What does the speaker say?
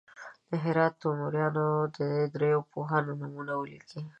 د هرات د تیموریانو د دریو پوهانو نومونه واخلئ.